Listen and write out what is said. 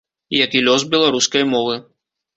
Як і лёс беларускай мовы.